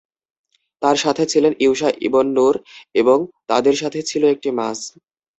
তার সাথে ছিলেন ইউশা ইবন নূন এবং তাদের সাথে ছিল একটি মাছ।